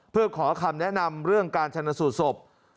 เพื่อขอคำแนะนำเรื่องการชนสูตรศพ